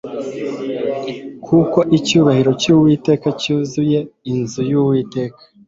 kuko icyubahiro cy'uwiteka cyuzuye inzu y'uwiteka